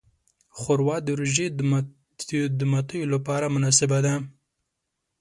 ښوروا د روژې د ماتیو لپاره مناسبه ده.